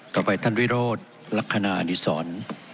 ต่อไปท่านวิโรธลักษณะอดีศร